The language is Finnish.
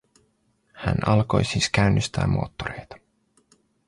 Hän alkoi siis käynnistää moottoreita.